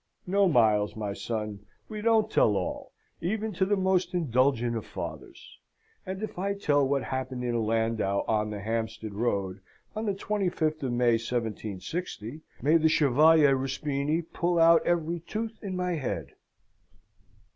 No, Miles, my son, we don't tell all, even to the most indulgent of fathers and if I tell what happened in a landau on the Hampstead Road, on the 25th of May, 1760, may the Chevalier Ruspini pull out every tooth in my head!"